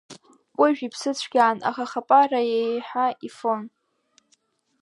Кәыжә иԥсы цәгьан, аха Хапара еиҳа ифон.